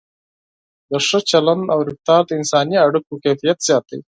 د ښه چلند او رفتار د انساني اړیکو کیفیت زیاتوي.